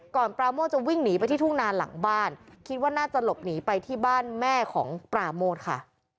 ปราโมทจะวิ่งหนีไปที่ทุ่งนานหลังบ้านคิดว่าน่าจะหลบหนีไปที่บ้านแม่ของปราโมทค่ะ